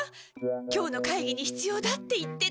今日の会議に必要だって言ってたのに。